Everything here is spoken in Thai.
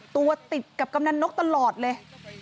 ตัวติดกับกำนันนกตลอดเลย